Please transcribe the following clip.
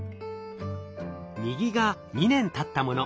右が２年たったもの。